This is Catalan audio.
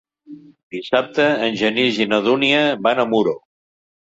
Dissabte en Genís i na Dúnia van a Muro.